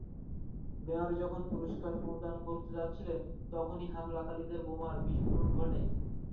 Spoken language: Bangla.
মেয়র যখন পুরস্কার প্রদান করতে যাচ্ছিলেন তখনই হামলাকারী বোমার বিস্ফোরণ ঘটায়।